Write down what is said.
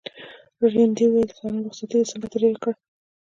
رینالډي وویل سلام رخصتې دې څنګه تېره کړه.